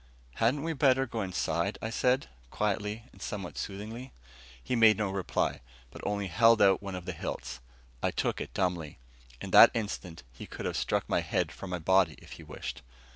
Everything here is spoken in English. "Hadn't we better go inside," I said quietly and somewhat soothingly. He made no reply, but only held out one of the hilts. I took it dumbly. In that instant he could have struck my head from my body, if he wished.